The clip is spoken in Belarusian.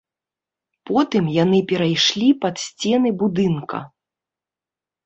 Потым яны перайшлі пад сцены будынка.